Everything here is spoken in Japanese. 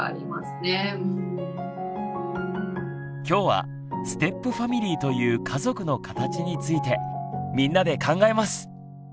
今日はステップファミリーという家族の形についてみんなで考えます！